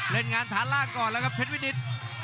เล่นงานฐานล่างก่อนแล้วครับเพชรวินิต